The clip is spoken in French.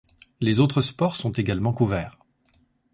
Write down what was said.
Les autres sports sont également couverts.